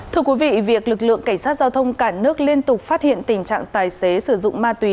thưa quý vị việc lực lượng cảnh sát giao thông cả nước liên tục phát hiện tình trạng tài xế sử dụng ma túy